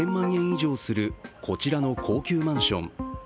以上するこちらの高級マンション。